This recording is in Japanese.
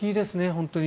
本当に。